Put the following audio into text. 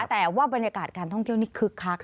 แต่ว่าบรรยากาศการท่องเที่ยวนี่คึกคัก